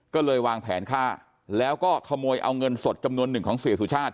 ก็เลยวางแผนฆ่าแล้วก็ขโมยเอาเงินสดจำนวนหนึ่งของเสียสุชาติ